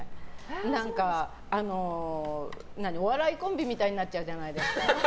何かお笑いコンビみたいになっちゃうじゃないですか。